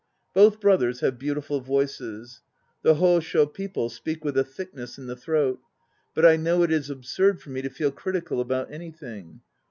Both brothers have beautiful voices. The Hosho people speak with a thickness in the throat. But I know it is absurd for me to feel critical about anything.